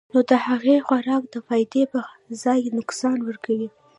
نو د هغې خوراک د فائدې پۀ ځائے نقصان ورکوي -